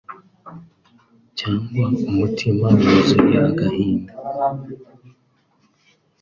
cyangwa umutima wuzuye agahinda